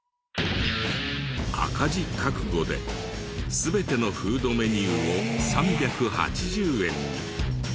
赤字覚悟で全てのフードメニューを３８０円に。